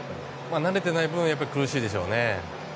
慣れてない分苦しいでしょうね。